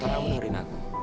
salah unurin aku